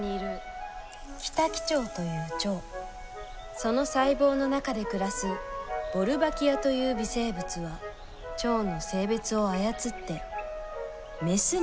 その細胞の中で暮らすボルバキアという微生物はチョウの性別を操ってメスにするんです。